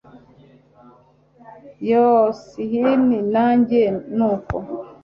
yoooh shn nanjye nuko